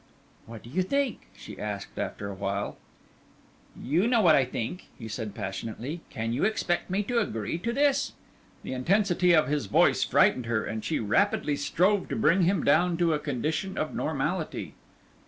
"What do you think?" she asked, after a while. "You know what I think," he said, passionately. "Can you expect me to agree to this?" The intensity of his voice frightened her, and she rapidly strove to bring him down to a condition of normality.